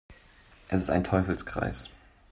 Es ist ein Teufelskreis.